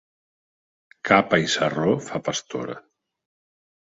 Capa i sarró fa pastor.